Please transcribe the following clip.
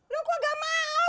lu kok gak mau